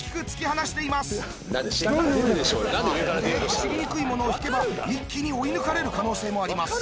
走りにくいものを引けば一気に追い抜かれる可能性もあります。